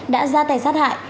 đã ra tay sát hại